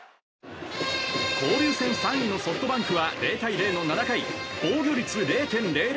交流戦３位のソフトバンクは０対０の７回防御率０．００